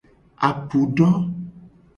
Apu do.